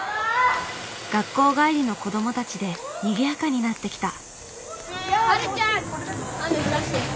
学校帰りの子どもたちでにぎやかになってきた。